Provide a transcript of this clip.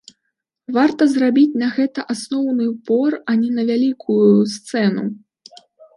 Варта зрабіць на гэта асноўны упор, а не на вялікую сцэну.